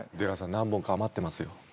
何本か余ってますよ。